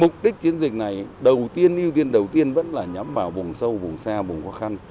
mục đích chiến dịch này đầu tiên ưu tiên đầu tiên vẫn là nhắm vào vùng sâu vùng xa vùng khó khăn